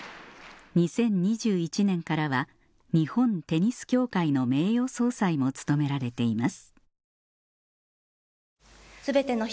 ２０２１年からは日本テニス協会の名誉総裁も務められています